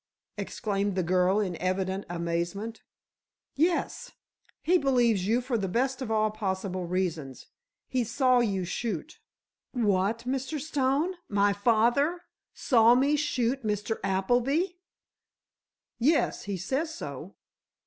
exclaimed the girl in evident amazement. "Yes; he believes you for the best of all possible reasons: He saw you shoot." "What, Mr. Stone? My father! Saw me shoot Mr. Appleby!" "Yes; he says so.